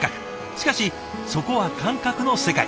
しかしそこは感覚の世界。